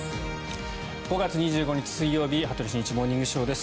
５月２５日、水曜日「羽鳥慎一モーニングショー」。